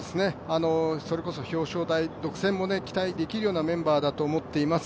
それこそ表彰台独占も期待できるようなメンバーだと思っています。